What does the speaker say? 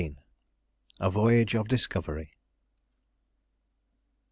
A VOYAGE OF DISCOVERY.